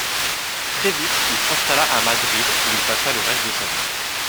Très vite, il s'installa à Madrid, où il passa le reste de sa vie.